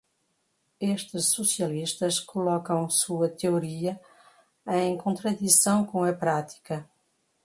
Estes socialistas colocam sua teoria em contradição com a prática